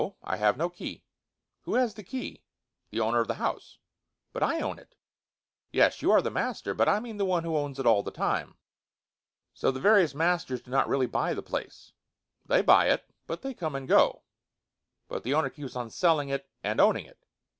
I have no key." "Who has the key?" "The owner of the house." "But I own it." "Yes, you are the master; but I mean the one who owns it all the time." "So, the various masters do not really buy the place?" "They buy it, but they come and go." "But the owner keeps on selling it and owning it?"